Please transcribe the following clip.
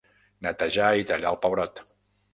Netejar i tallar el pebrot.